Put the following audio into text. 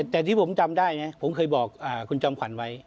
แต่ที่ผมจำได้นะผมเคยบอกคุณจอมขวัญไว้